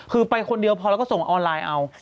คือไปคนเดียวพอแล้วก็ส่งออนไลน์เอา